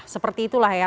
seperti itulah ya